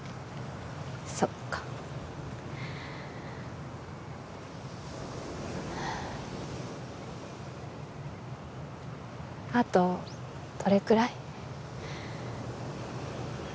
そっかあとどれくらい？